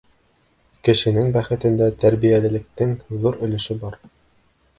Кешенең бәхетендә тәрбиәлелектең ҙур өлөшө бар.